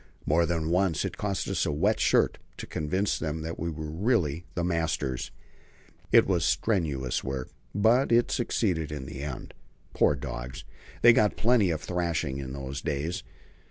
More than once it cost us a wet shirt to convince them that we really were the masters. It was strenuous work, but it succeeded in the end. Poor dogs! they got plenty of thrashing in those days.